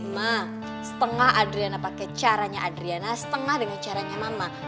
nah setengah adriana pakai caranya adriana setengah dengan caranya mama